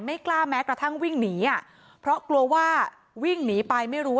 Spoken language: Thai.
กล้าแม้กระทั่งวิ่งหนีอ่ะเพราะกลัวว่าวิ่งหนีไปไม่รู้ว่า